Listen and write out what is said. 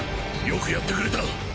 よくやってくれた。